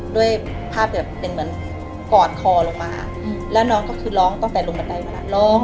ด้วยภาพแบบเป็นเหมือนกอดคอลงมาแล้วน้องก็คือร้องตั้งแต่ลงบันไดมาแล้ว